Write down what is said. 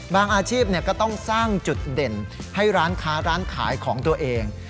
อาชีพก็ต้องสร้างจุดเด่นให้ร้านค้าร้านขายของตัวเอง